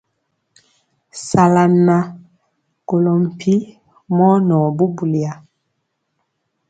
Sala nan kolo mpi mɔ nɔɔ bubuliya.